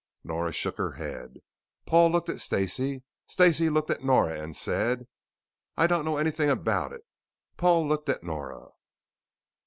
Nora shook her head. Paul looked at Stacey. Stacey looked at Nora and said, "I don't know anything about it." Paul looked at Nora.